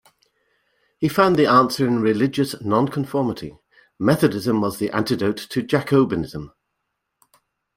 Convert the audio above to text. He found the answer in religious nonconformity: Methodism was the antidote to Jacobinism.